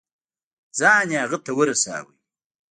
ځان يې هغه ته ورساوه.